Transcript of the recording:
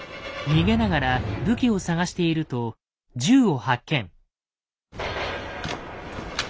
逃げながら武器を探していると銃を発見。